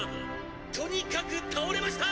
とにかく倒れました！